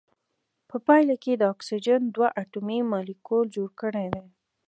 په پایله کې د اکسیجن دوه اتومي مالیکول جوړ کړی دی.